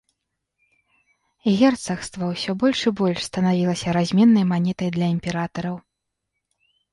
Герцагства ўсё больш і больш станавілася разменнай манетай для імператараў.